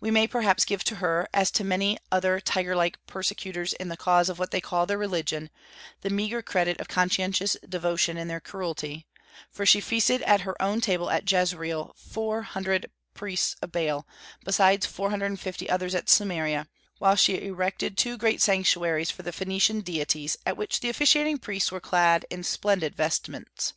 We may perhaps give to her, as to many other tiger like persecutors in the cause of what they call their "religion," the meagre credit of conscientious devotion in their cruelty; for she feasted at her own table at Jezreel four hundred priests of Baal, besides four hundred and fifty others at Samaria, while she erected two great sanctuaries for the Phoenician deities, at which the officiating priests were clad in splendid vestments.